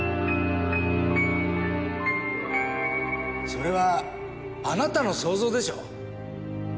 それはあなたの想像でしょう？